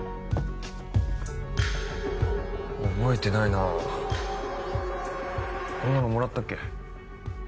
覚えてないなこんなのもらったっけ？